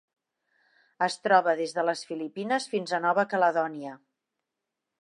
Es troba des de les Filipines fins a Nova Caledònia.